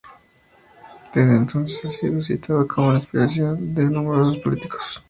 Desde entonces ha sido citado como la inspiración de numerosos políticos.